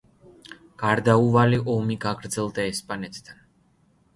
გარდაუვალი ომი გაგრძელდა ესპანეთთან.